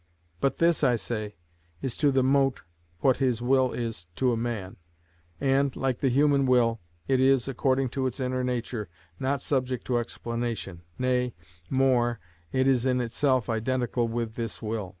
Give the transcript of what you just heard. But this, I say, is to the mote what his will is to a man; and, like the human will, it is, according to its inner nature, not subject to explanation; nay, more—it is in itself identical with this will.